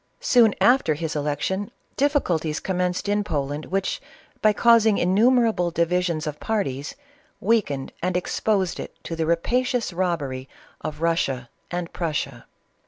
Soon after his election, diffi culties commenced in Poland, which, by causing innu merable divisions of parties, weakened and exposed it to the rapacious robbery of Eussia and Prussia.